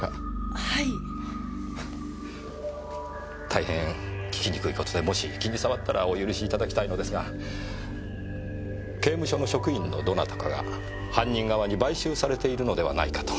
大変訊きにくい事でもし気に障ったらお許しいただきたいのですが刑務所の職員のどなたかが犯人側に買収されているのではないかと。